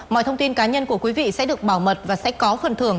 mọi thông tin cá nhân của quý vị sẽ được bảo mật và sẽ có phần thưởng